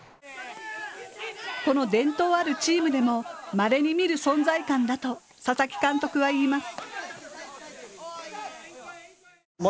この伝統あるチームでもまれに見る存在感だと佐々木監督は言います。